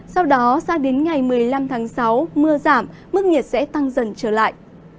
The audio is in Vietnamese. sau đó sang đến ngày một mươi năm tháng sáu mưa giảm mức nhiệt sẽ tăng dần trở lại